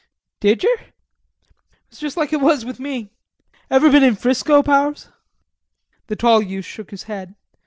"Did yer?" "It was just like it was with me. Ever been in Frisco, Powers?" The tall youth shook his head.